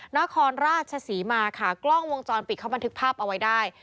นครราชศรีมาค่ะกล้องวงจรปิดเขาบันทึกภาพเอาไว้ได้